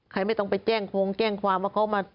ไม่ต้องไปแจ้งโครงแจ้งความว่าเขามา